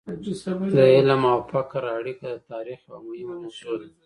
د علم او فقر او اړیکه د تاریخ یوه مهمه موضوع ده.